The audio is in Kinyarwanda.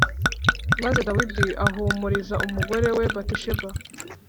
Maze Dawidi ahumuriza umugore we Batisheba